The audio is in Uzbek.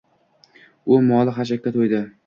U moli xashakka to‘ydi.